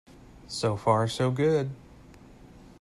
So far so good.